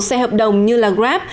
xe hợp đồng như là grab